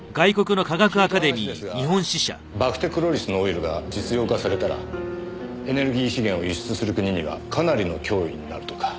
聞いた話ですがバクテクロリスのオイルが実用化されたらエネルギー資源を輸出する国にはかなりの脅威になるとか。